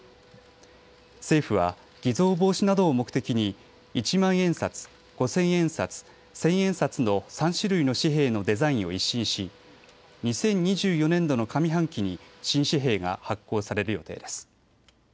政府は偽造防止などを目的に一万円札、五千円札、千円札の３種類の紙幣のデザインを一新し２０２４年度の上半期に新紙幣が発行される予定です。